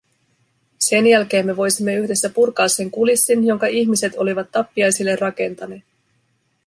Sen jälkeen me voisimme yhdessä purkaa sen kulissin, jonka ihmiset olivat tappiaisille rakentaneet.